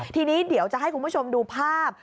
ทีนี้เดี๋ยวจะให้คุณผู้ชมดูภาพ